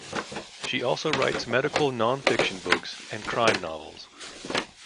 She also writes medical nonfiction books and crime novels.